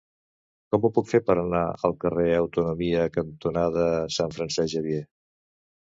Com ho puc fer per anar al carrer Autonomia cantonada Sant Francesc Xavier?